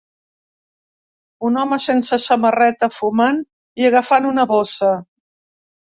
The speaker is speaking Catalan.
Un home sense samarreta fumant i agafant una bossa